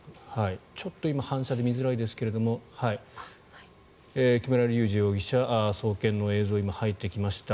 ちょっと今反射で見づらいですが木村隆二容疑者送検の映像が今、入ってきました。